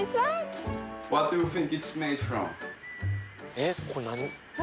えっこれ何？